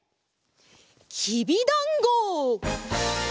きびだんご！